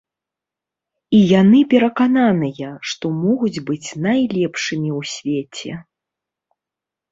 І яны перакананыя, што могуць быць найлепшымі ў свеце.